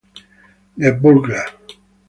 The Burglar